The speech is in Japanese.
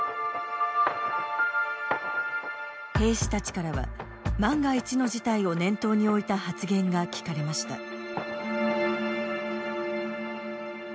兵士たちからは万が一の事態を念頭に置いた発言が聞かれました。